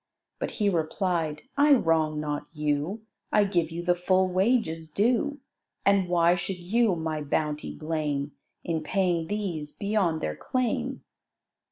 But he replied, "I wrong not you; I give you the full wages due; And why should you my bounty blame, In paying these beyond their claim?"